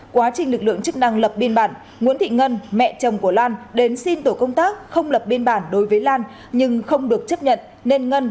quá trình lực lượng chức năng lập biên bản nguyễn thị ngân mẹ chồng của lan